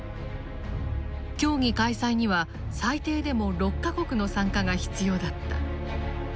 競技開催には最低でも６か国の参加が必要だった。